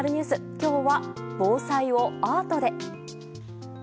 今日は、防災をアートで。